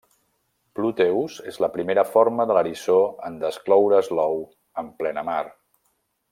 Plúteus és la primera forma de l'eriçó en descloure's l'ou en plena mar.